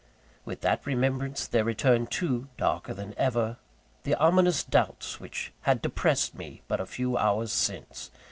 With that remembrance there returned, too darker than ever the ominous doubts which had depressed me but a few hours since.